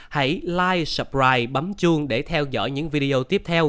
hãy like subscribe bấm chuông để theo dõi những video tiếp theo